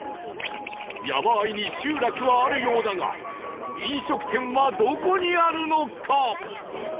山あいに集落はあるようだが飲食店はどこにあるのか？